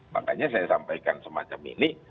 makanya saya sampaikan semacam ini